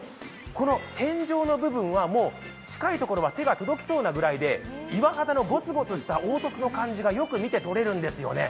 この天井の部分は近い所は手が届きそうなぐらいで岩肌のゴツゴツとした凹凸の感じが見て取れるんですね。